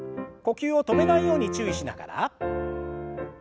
呼吸を止めないように注意しながら。